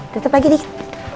tutup lagi dikit